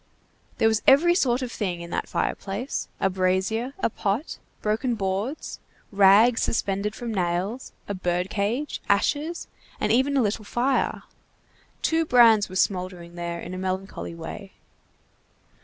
There was every sort of thing in that fireplace, a brazier, a pot, broken boards, rags suspended from nails, a bird cage, ashes, and even a little fire. Two brands were smouldering there in a melancholy way.